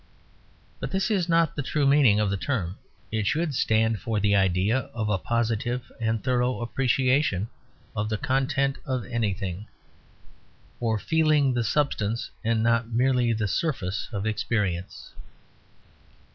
But this is not the true meaning of the term; it should stand for the idea of a positive and thorough appreciation of the content of anything; for feeling the substance and not merely the surface of experience.